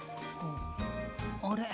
あれ？